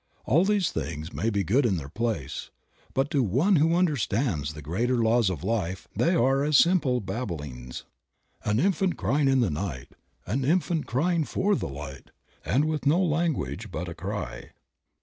All these things may be good in their place, but to one who understands the greater laws of life they are as simple babblings^ "An infant crying in the night, An infant crying for the light. And with no language but a cry."